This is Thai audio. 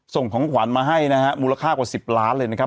ส่งของขวัญมาให้นะฮะมูลค่ากว่า๑๐ล้านเลยนะครับ